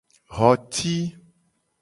Xo ci.